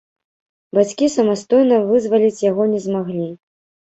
Бацькі самастойна вызваліць яго не змаглі.